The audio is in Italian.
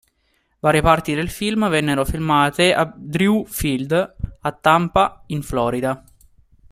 Varie parti del film vennero filmate a Drew Field, a Tampa in Florida.